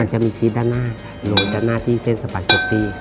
จะมีชีสด้านหน้าหนูด้านหน้าที่เส้นสปาเกตตี้